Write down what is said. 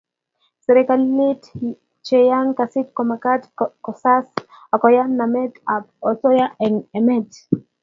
serekalit cheyae kasit komakat kosas akoyon namet ap osoya eng emet